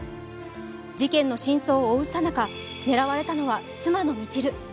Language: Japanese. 事件の真相を追うなか狙われたのは妻の未知留。